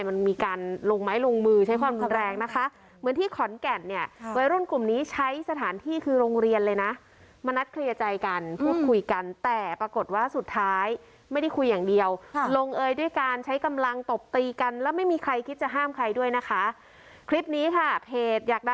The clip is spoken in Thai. มันมีการลงไม้ลงมือใช้ความมืดแรงนะคะ